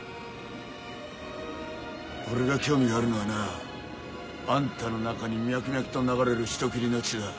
俺が興味あるのはなあんたの中に脈々と流れる人斬りの血だ。